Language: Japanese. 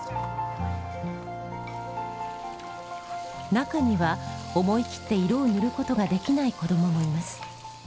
中には思い切って色を塗ることができない子どももいます。